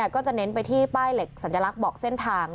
ก็จะเน้นไปที่ป้ายเหล็กสัญลักษณ์บอกเส้นทาง